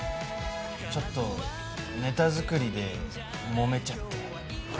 ちょっとネタ作りでもめちゃって。